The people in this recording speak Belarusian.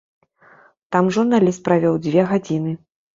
Там журналіст правёў дзве гадзіны.